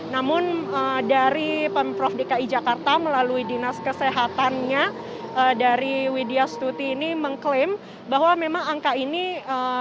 namun dari pemprov dki jakarta melalui dinas kesehatannya dari widya stuti ini mengklaim bahwa memang angka ini